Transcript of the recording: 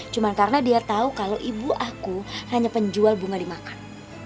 cuma karena dia tahu kalau ibu aku hanya penjual bunga dimakan